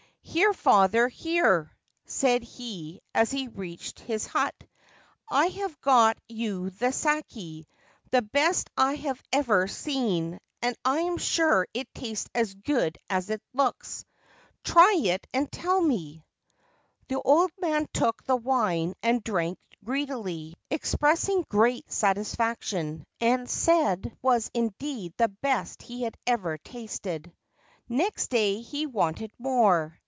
' Here, father, here !' said he as he reached his hut :' I have got you the sake, the best I have ever seen, and I am sure it tastes as good as it looks ; try it and tell me !' The old man took the wine and drank greedily, 240 MAMIKIKO TASTES THE WHITE SAKE White Sake expressing great satisfaction, and said that it was indeed the best he had ever tasted. Next day he wanted more.